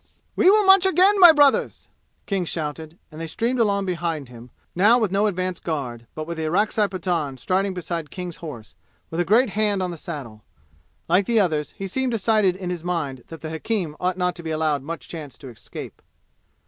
"We will march again, my brothers!" King shouted, and they streamed along behind him, now with no advance guard, but with the Orakzai Pathan striding beside King's horse, with a great hand on the saddle. Like the others, he seemed decided in his mind that the hakim ought not to be allowed much chance to escape.